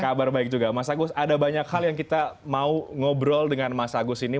kabar baik juga mas agus ada banyak hal yang kita mau ngobrol dengan mas agus ini